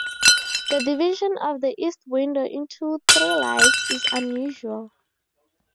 The division of the east window into three lights is unusual.